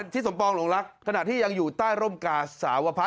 ที่สมปองหลงรักขณะที่ยังอยู่ใต้ร่มกาสาวพะ